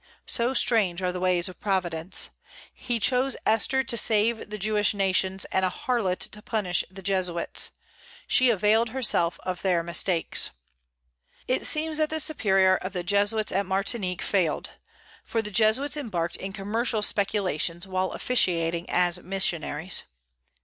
So strange are the ways of Providence! He chose Esther to save the Jewish nation, and a harlot to punish the Jesuits. She availed herself of their mistakes. It seems that the Superior of the Jesuits at Martinique failed; for the Jesuits embarked in commercial speculations while officiating as missionaries.